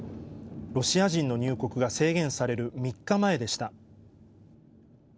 ロシア人の入国が制限される３日前でした。